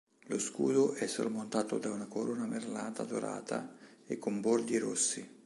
Lo scudo è sormontato da una corona merlata dorata e con bordi rossi.